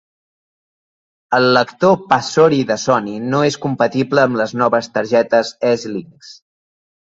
El lector PaSoRi de Sony no és compatible amb les noves targetes ez-linx.